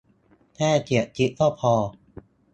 แค่เสียบชิปก็พอ